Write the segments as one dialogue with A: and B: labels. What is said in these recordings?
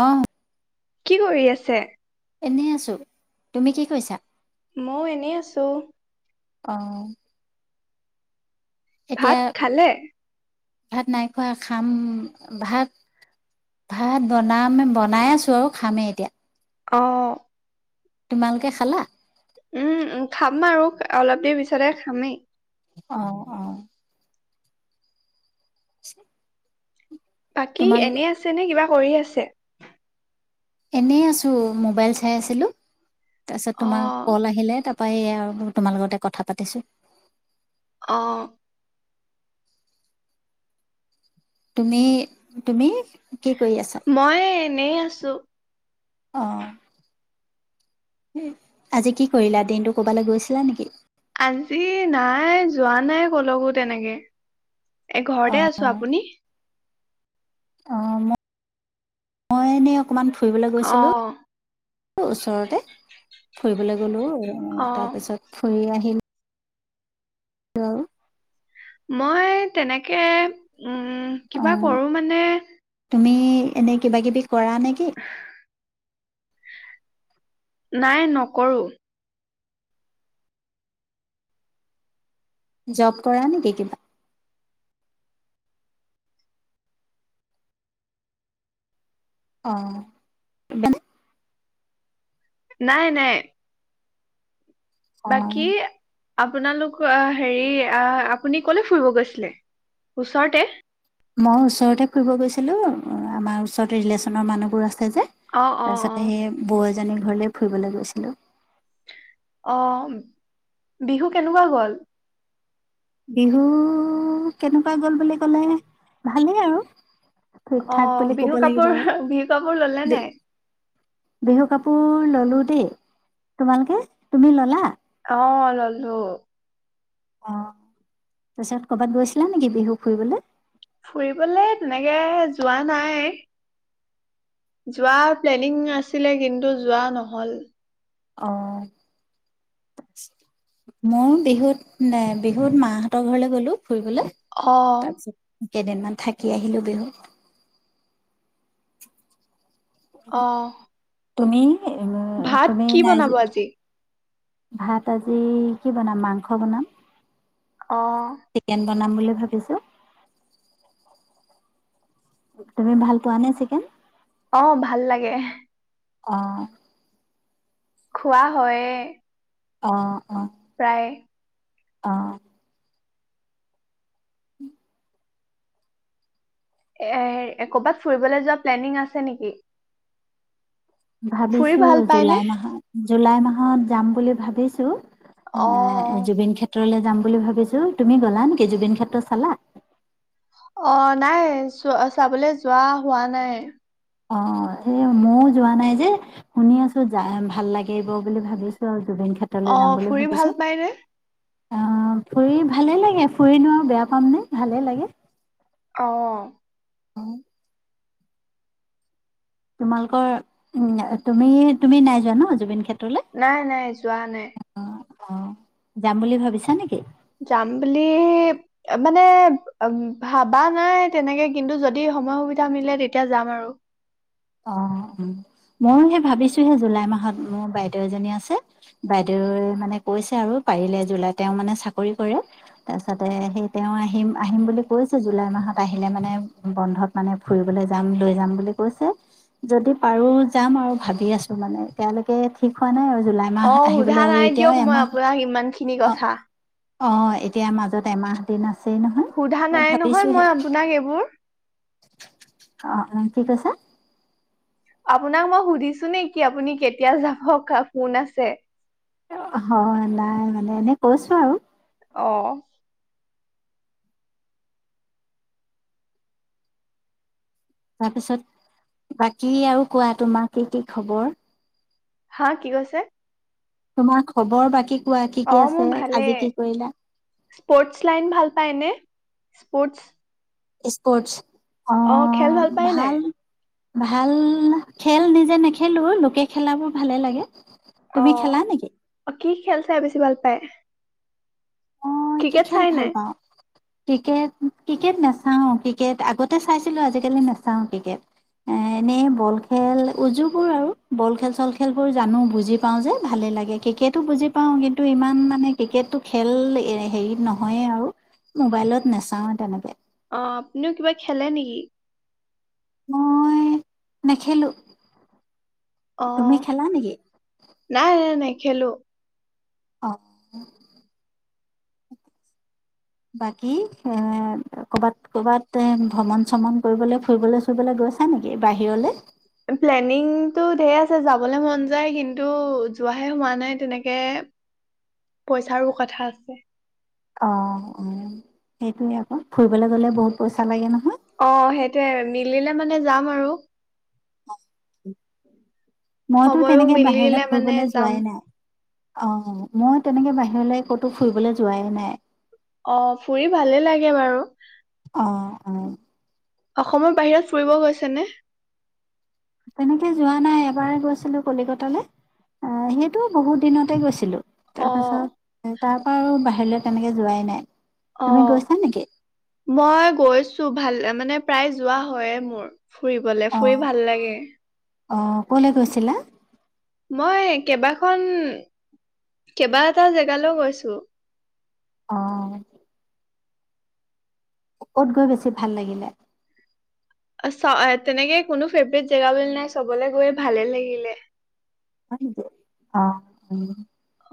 A: অ
B: কি কৰি আছে
A: এনেই আছোঁ তুমি কি কৈছা
B: মও এনেই আছো
A: আহ
B: ভাত খালে
A: ভাত নাই খোৱা খাম ভাত ভাত বনাম বনাই আছো আৰু খামেই এতিয়া
B: অহ
A: তোমালোকে খালা
B: উম উম খাম আৰু অলপ দেৰি পিছতে খামেই
A: আহ অ উ
B: বাকী এনে আছে নে কিবা কৰি আছে
A: এনেই আছো মোবাইল চাই আছিলো তাৰ পাছত তোমাৰ
B: অ',
A: কল আহিলে তাৰ পাইয়ে আৰু মোৰ তোমাৰ লগতে কথা পাতিছোঁ।
B: অঁ।
A: তুমি, তুমি কি কৰি আছা।
B: মই এনেই আছো।
A: অঁ, আজি কি কৰিলা দিনটো ক'বালৈ গৈছিলা নেকি।
B: আজি নাই যোৱা নাই ক'লকো তেনেকে। এ ঘৰতে আছো আপুনি।
A: অঁ ম মই এনে অকমান ফুৰিবলৈ গৈছিলো
B: অ',
A: [unintelligible] ওচৰতে। ফুৰিবলৈ গ'লো [unintelligible]
B: অ',
A: তাৰ পিছত ফুৰি আহ [unintelligible]
B: মই তেনেকে উম
A: অ
B: কিবা কৰো মানে
A: [unintelligible] এনে কিবা কিবি কৰা নেকি।
B: নাই নকৰো।
A: জব কৰা নেকি কিবা। অঁ, [unintelligible]
B: নাই নাই।
A: অ
B: বাকী আপোনালোক আ হেৰি আ- আ আপুনি ক'লে ফুৰিব গৈছিলে, ওচৰতে।
A: মই ওচৰতে ফুৰিব গৈছিলো, আমাৰ ওচৰত ৰিলেশ্যনৰ মানুহবোৰ আছ যে
B: অ অ অ
A: তাৰপিছতে সেই বৌ এজনী ঘৰলে ফুৰিবলৈ গৈছিলো।
B: অঁ, বিহু কেনেকুৱা গ'ল।
A: বিহু, কেনেকুৱা গ'ল বুলি ক'লে ভালেই আৰু। ঠিক ঠাক
B: অঁ
A: বুলি ক'ব
B: বিহু
A: লাগিব আৰু
B: কাপোৰ-বিহু কাপোৰ ল'লে নাই।
A: বিহু কাপোৰ ল'লো দেই, তোমালোকে তুমি ল'লা।
B: অঁ ললো।
A: অঁ তাৰপিছত কৰ'বাত গৈছিলা নেকি বিহু ফুৰিবলৈ।
B: ফুৰিবলৈ তেনেকে যোৱা নাই। যোৱা প্লেনিং আছিলে কিন্তু যোৱা নহ'ল।
A: অঁ মই বিহুত নে বিহুত মাহঁতৰ ঘৰলে গ'লো। ফুৰিবলে,
B: অ
A: তাৰপিছত কেইদিনমান থাকি আহিলো বিহুত।
B: অঁ।
A: তুমি?
B: ভাত
A: তুমি
B: কি
A: নাই
B: বনাব আজি?
A: ভাত আজি কি বনাম মাংস বনাম।
B: অ'।
A: চিকেন বনাম বুলি ভাবিছো। তুমি ভাল পোৱা নে চিকেন?
B: অ', ভাল লাগে।
A: অহ।
B: খোৱা হয়ে।
A: অ', অ'।
B: প্ৰায়ে।
A: অহ।
B: এ ক'ৰবাত ফুৰিবলৈ যোৱা প্লেনিং আছে নেকি? ফুৰি
A: ভাবিছো
B: ভাল পায়নে
A: জুলাই মাহত জুলাই মাহত যাম বুলি ভাবিছোঁ।
B: অ অ
A: এ জুবিন ক্ষেত্ৰলে যাম বুলি ভাবিছো, তুমি গ'লা নেকি জুবিন ক্ষেত্ৰ চালা?
B: অ', নাই চোৱা চাবলৈ যোৱা হোৱা নাই।
A: অ'- সেয়ে মইও যোৱা নাই যে শুনি আছো যায় ভাল লাগিব বুলি ভাবিছো আৰু। জুবিন ক্ষেত্ৰলৈ যাম
B: অ',
A: বুলি
B: ফুৰি ভাল
A: ভাবিছো।
B: পায়নে?
A: অ', ফুৰি ভালে লাগে ফুৰিনো আৰু বেয়া পামনে, ভালে লাগে।
B: অ'।
A: [inaudible] তোমালোকৰ উম, তুমি তুমি নাই যোৱা ন' জুবিন ক্ষেত্
B: নাই, নাই যোৱা নাই।
A: অ', যাম বুলি ভাবিছা নেকি?
B: যাম বুলি মানে ভাবা নাই তেনেকে কিন্তু যদি সময় সুবিধা মিলে তেতিয়া যাম আৰু।
A: অ', অ', মইয়ো সেই ভাবিছোহে জুলাই মাহত মোৰ বাইদেউ এজনী আছে, বাইদেউে মানে কৈছে আৰু পাৰিলে জুলাই তেওঁ মানে চাকৰি কৰে তাৰপিছতে সেই তেওঁ আহিম আহিম বুলি কৈছে জুলাই মাহত আহিলে মানে বন্ধত মানে ফুৰিবলৈ যাম লৈ যাম বুলি কৈছে। যদি পাৰো যাম আৰু ভাবি আছো মানে, তেওঁলোকে ঠিক হোৱা নাই আৰু। জুলাই মাহ
B: অ', সোধা
A: আহিবলৈ আৰু
B: নাই
A: এতিয়াও
B: দিয়ক মই
A: এমাহ
B: আপোনাক ইমান খিনি
A: অ
B: কথা।
A: অ', এতিয়া মাজত এমাহ দিন আছে।
B: সোধা নাই নহয় মই আপোনাক এইবোৰ।
A: অ', কি কৈছা?
B: আপোনাক মই সুধিছো নেকি আপুনি কেতিয়া যাব কা কোন আছে?
A: হয় নাই মানে এনে কৈছো আৰু।
B: অ'।
A: তাৰপিছত বাকী আৰু কোৱা তোমাক কি কি খবৰ?
B: হা, কি কৈছে?
A: তোমাৰ খবৰ বাকী কোৱা কি কি
B: অ',
A: আছে?
B: মোৰ
A: আজি
B: ভালেই,
A: কি কৰিলা?
B: স্পৰ্টচ লাইন ভাল পায়নে? Sports
A: sports.
B: অ', খেল ভাল পাই নাই?
A: ভাল খেল নিজে নেখেলো লোকে খেলাবোৰ ভালে লাগে। তুমি
B: অ'।
A: খেলা নেকি?
B: অ', কি খেল চাই বেছি ভাল পায়।
A: অ', কি
B: ক্ৰিকেট
A: খেল
B: চাই
A: ভাল
B: নাই
A: পাওঁ? ক্ৰিকেট ক্ৰিকেট নাচাও ক্ৰিকেট আগতে চাইছিলো আজিকালি নাচাও ক্ৰিকেট এ এনেই বল খেল উজুবোৰ আৰু বল খেল চল খেলবোৰ জানো বুজি পাওঁ যে ভালে লাগে ক্ৰিকেটো বুজি পাওঁ কিন্তু ইমান মানে ক্ৰিকেটটো খেল এ হেৰিত নহয়ে আৰু মোবাইলত নাচাওয়ে তেনেকে।
B: অ', আপুনিও কিবা খেলে নেকি?
A: মই নেখেলো। তুমি
B: অ',
A: খেলা নেকি?
B: নাই, নাই, নাই। খেলো।
A: অ', বাকী এ কৰবাত কৰ'বাত ভ্ৰমণ চমন কৰিবলৈ ফুৰিবলৈ ফুৰিবলৈ গৈছা নেকি বাহিৰলে?
B: প্লেনিংতটো ঢেৰ আছে যাবলৈ মন যায় কিন্তু যোৱাহে হোৱা নাই তেনেকে পইচাৰো কথা আছে।
A: অ', উম, সেইটোৱে আকৌ ফুৰিবলে গ'লে বহুত পইচা লাগে নহয়।
B: অ সেইটোয়ে মিলিলে মানে যাম আৰু।
A: মইটো
B: সময়ো
A: তেনেকে
B: মিলিলে
A: বাহিৰলৈ
B: মানে
A: ফুৰিবলৈ
B: যাম
A: যোৱাই নাই। অ', মই তেনেকে বাহিৰলৈ ক'তো ফুৰিবলৈ যোৱাই নাই।
B: অ', ফুৰি ভালে লাগে বাৰু।
A: অ', অ'।
B: অসমৰ বাহিৰত ফুৰিব গৈছেনে?
A: তেনেকে যোৱা নাই এবাৰে গৈছিলো কলিকতালৈ অ', সেইটো বহুত দিনতে গৈছিলো। তাৰ
B: অ
A: পাছত তাৰ পৰা আৰু বা ধৰি লওঁ তেনেকে যোৱাই নাই। তুমি
B: অ',
A: গৈছা নেকি?
B: মই গৈছো। ভাল মানে প্ৰায় যোৱা হয়য়ে মোৰ। ফুৰিবলে, ফুৰি
A: অ',
B: ভাল লাগে।
A: অ', ক'লৈ গৈছিলা?
B: মই কেইবাখন কেইবা এটা জেগালৈ গৈছো।
A: অ'। ক'ত গৈ বেছি ভাল লাগিলে?
B: তেনেকে কোনো ফেভৰেট জেগা বুলি নাই চবলৈ গৈ ভালে লাগিলে।
A: হয় নেকি অ', উম।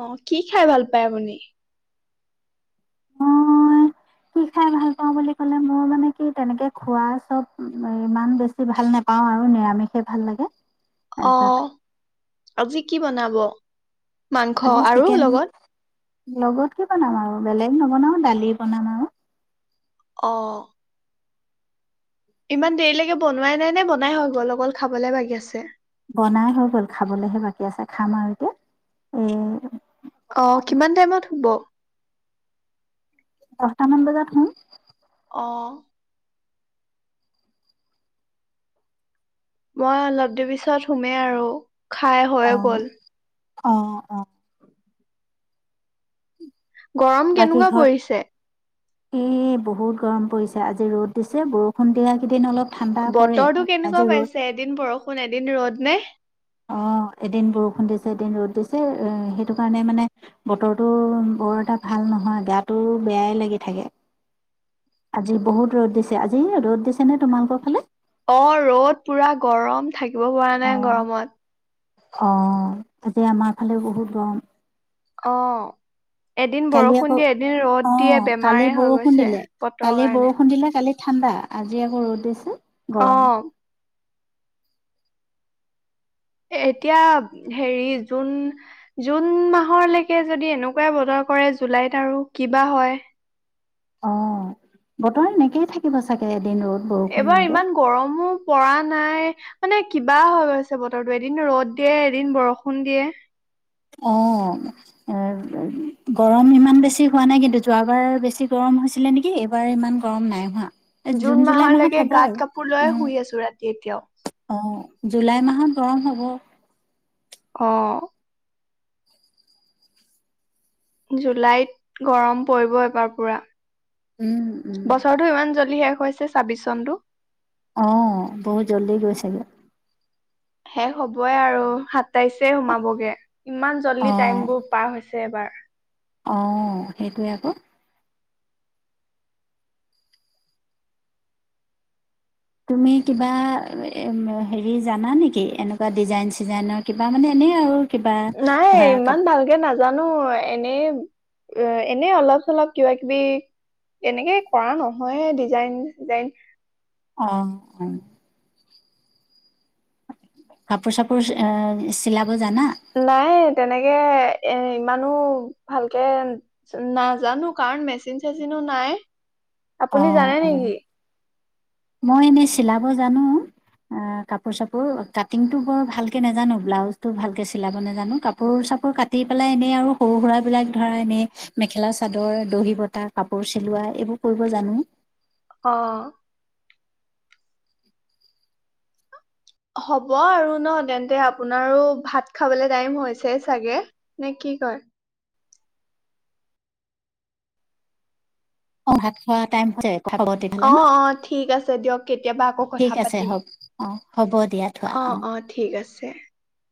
B: অ', কি খাই ভাল পাই আপুনি?
A: অ', ই কি খাই ভাল পাওঁ বুলি ক'লে মোৰ মানে কি তেনেকে খোৱা চব ইমান বেছি ভাল নোপাওঁ আৰু নিৰামিষে ভাল লাগে। তাৰপিছত
B: অ', আজি কি বনাব? ব
A: আজি চিকেন লগত কি বনাম আৰু বেলেগ নবনাও দালি বনাম আৰু।
B: অ', ইমান দেৰিলৈকে বনোৱাই নাই নে বনাই হৈ গ'ল অকল খাবলে বাকি আছে।
A: বনাই হৈ গ'ল, খাবলেহে বাকী আছে খাম আৰু এতিয়া। এ,
B: অহ' কিমান টাইমত শুব?
A: দহটামান বজাত শুম।
B: অঁ, মই অলপ দেৰি পিছত শুমেই আৰু। খাই হৈ গল।
A: অ-অ,
B: গৰম কেনেকুৱা পৰিছে?
A: এ বহুত গৰম পৰিছে আজি ৰ'দ দিছে। বৰষুণ দিয়া কেইদিন অলপ ঠাণ্ডা পৰে
B: বতৰটো কেনেকুৱা
A: আজি ৰ'দ
B: পাইছে, এদিন বৰষুণ এদিন ৰ'দ নে?
A: অ' এদিন বৰষুণ দিছে, এদিন ৰ'দ দিছে, এ সেইটো কাৰণে মানে বতৰটো বৰ এটা ভাল নহয় গা টো বেয়াই লাগি থাকে আজি বহুত ৰ'দ দিছে আজি ৰ'দ দিছে নে তোমালোকৰ ফালে।
B: অ' ৰ'দ পুৰা গৰম, থাকিব পৰা
A: অ
B: নাই গৰমত।
A: অ' তায়া আমাৰ ফালেও বহুত গম।
B: অহ', এদিন
A: আকৌ
B: বৰষুণ দিয়ে এদিন ৰ'দ
A: অ
B: দিয়ে
A: কালি
B: বেমাৰে হৈ
A: বৰষুণ
B: গৈছে
A: দিলে
B: বতৰ
A: কালি
B: কাৰণে।
A: বৰষুণ দিলে কালি ঠাণ্ডা আজি আকৌ ৰ'দ দিছে। গৰম
B: অ', এতিয়া হেৰি জুন-জুন মাহলৈকে যদি এনেকুৱাই বতৰ কৰে জুলাইত আৰু কিবা হয়।
A: অ' বতৰ এনেকেইে থাকিব চাগে। এদিন ৰ'দ বৰষুণ
B: এইবাৰ
A: এনেকে
B: ইমান গৰমো পৰা নাই মানে কিবা হৈ গৈছে বতৰটো এদিন ৰ'দ দিয়ে এদিন বৰষুণ দিয়ে।
A: অ' গৰম ইমান বেছি হোৱা নাই কিন্তু যোৱাবাৰ বেছি গৰম হৈছিলে নেকি? এইবাৰ ইমান গৰম নাই হোৱা।
B: জুন
A: জুলাই মাহত
B: মাহৰলৈকে
A: হ'ব আৰু
B: গাত কাপোৰ লৈ
A: উম
B: শুই আছো ৰাতি এতিয়াও।
A: অ জুলাই মাহত গৰম হ'ব।
B: অ', জুলাইত গৰম পৰিব এবাৰ পোৰা।
A: উম উম
B: বছৰটো ইমান জলদি শেষ হৈছে। ছে ছাব্বিশ চনটো,
A: অহ' বহুত জল্দি গৈ চাগে।
B: শেষ হ'বই আৰু সাত তাইছে সোমাবগে, ইমান জল্দি
A: অ
B: টাইম বোৰ পাৰ হৈছে। এবাৰ
A: অ' সেইটোৱে আকৌ। তুমি কিবা, হেৰি জানা নেকি? এনেকুৱা ডিজাইন-চিজাইনৰ কিবা মানে এনেই আৰু। কিবা
B: নাই,
A: ধৰা কাপ
B: ইমান ভালকে নাজান মানো এনে এনে অলপ চলপ কিবা কিবি, এনেকে কৰা নহয় ডিজাইন চিজাইন
A: অঁ কাপোৰ চাপোৰ অ চিলাব জানা?
B: নাই তেনেকে এ ইমানো ভালকে নাজানো, কাৰণ মেচিন চেচিনো নাই। আপুনি
A: অ',
B: জানে
A: অ',
B: নেকি?
A: মই এনেই চিলাব জানো, কাপোৰ চাপোৰ কাটিংটো বৰ ভালকে নাজানো, ব্লাউজটো ভালকে চিলাব নাজানো, কাপোৰ চাপোৰ কাটি পেলাই এনেই আৰু সৰু সুৰাবিলাক ধৰা এনেই মেখেলা চাদৰ, দহি বতা, কাপোৰ চিলোৱা এইবোৰ কৰিব জানো
B: অ হ'ব আৰু ন তেন্তে, আপোনাৰো ভাত খাবলে টাইম হৈছে চাগে, নে কি কয়
A: অহ ভাত খোৱা টাইম হৈছে। কথা হ'ব তেতিয়াহ'লে
B: অ
A: ন
B: অ ঠিক আছে দিয়ক। কেতিয়াবা আকৌ
A: ঠিক
B: কথা
A: আছে
B: পাতিম
A: হক অ হ'ব দিয়া থোৱা অ।
B: [unintelligible]